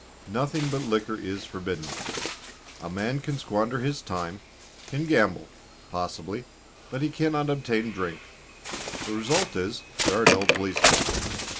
Nothing but liquor is forbidden. A man can squander his time, can gamble, possibly, but he cannot obtain drink; the result is, there are no policemen.